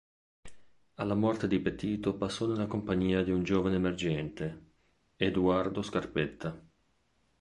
Alla morte di Petito passò nella compagnia di un giovane emergente: Eduardo Scarpetta.